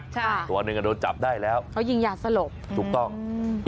ใช่ตัวหนึ่งอ่ะโดนจับได้แล้วเขายิงยาสลบถูกต้องอืม